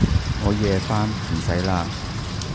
我夜返，唔使喇